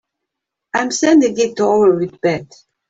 I'm sending it over with Beth.